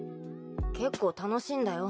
結構楽しいんだよ